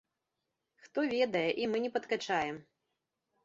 Хто ведае, і мы не падкачаем.